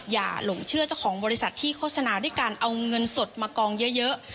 หลงเชื่อเจ้าของบริษัทที่โฆษณาด้วยการเอาเงินสดมากองเยอะ